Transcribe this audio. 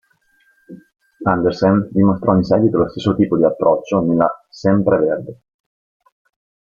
Anderssen dimostrò in seguito lo stesso tipo di approccio nella "sempreverde".